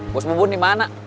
bos bubun dimana